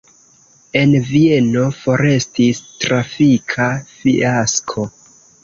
En Vieno forestis trafika fiasko.